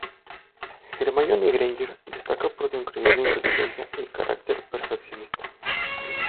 Hermione Granger destaca por su increíble inteligencia y carácter perfeccionista.